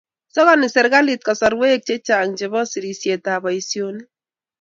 sakoni serikalit kasarwek che chang chebo serisietab boisionik